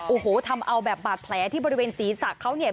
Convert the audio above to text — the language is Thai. โอ้โหทำเอาแบบบาดแผลที่บริเวณศีรษะเขาเนี่ย